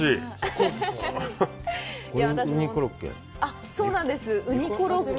これ、うにコロッケ？